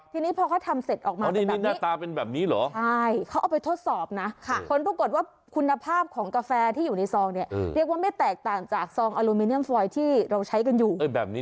ทีนี้พอเขาทำเสร็จออกมาแบบนี้เขาไปทดสอบคนรู้กฎว่าคุณภาพของกาแฟที่อยู่ในซองเรียกว่าไม่แตกต่างจากซองอาลูมิเนียมซอยที่เราใช้อยู่